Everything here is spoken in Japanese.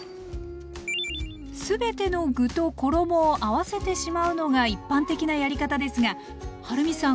全ての具と衣を合わせてしまうのが一般的なやり方ですがはるみさん